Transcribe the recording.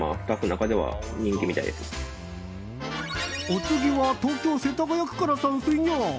お次は東京・世田谷区から参戦や！